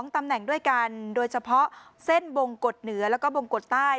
ตำแหน่งด้วยกันโดยเฉพาะเส้นบงกฎเหนือแล้วก็บงกฎใต้